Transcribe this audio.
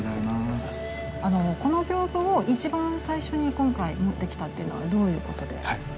この風を一番最初に今回持ってきたっていうのはどういうことで？